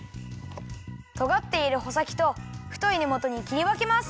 とがっているほさきとふといねもとにきりわけます。